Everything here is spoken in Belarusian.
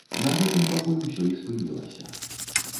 На гэтым пакуль усё і спынілася.